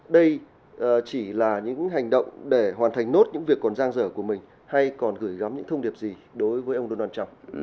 đây chỉ là những hành động để hoàn thành nốt những việc còn giang dở của mình hay còn gửi gắm những thông điệp gì đối với ông donald trump